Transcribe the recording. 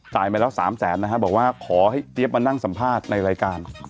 มาแล้ว๓แสนนะฮะบอกว่าขอให้เจี๊ยบมานั่งสัมภาษณ์ในรายการ